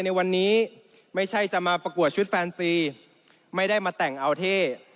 ในวันนี้ไม่ใช่จะมาประกวดชุดแฟนซีไม่ได้มาแต่งเอาเท่